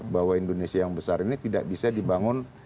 bahwa indonesia yang besar ini tidak bisa dibangun